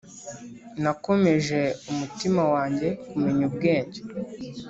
Nakomeje umutima wanjye kumenya ubwenge